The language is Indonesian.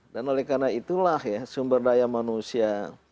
dan oleh karena itulah ya sumber daya manusia